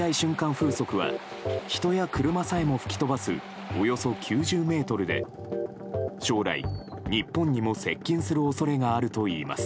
風速は人や車さえも吹き飛ばすおよそ９０メートルで将来、日本にも接近する恐れがあるといいます。